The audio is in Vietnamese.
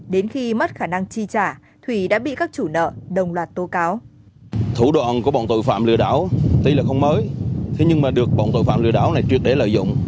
đến khi mất khả năng chi trả thủy đã bị các chủ nợ đồng loạt tô cáo